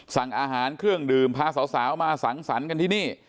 สั่งอาหารเครื่องดื่มพาสาวมาสังสรรค์กันที่นี่